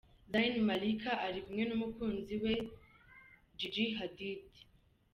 Zayn Malik ari kumwe n’umukunzi we Gigi Hadid.